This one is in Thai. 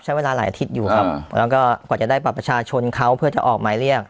ใช้เวลาหลายอาทิตย์อยู่ครับแล้วก็กว่าจะได้บัตรประชาชนเขาเพื่อจะออกหมายเรียก